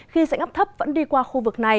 khi dãy ngắp thấp vẫn đi qua khu vực này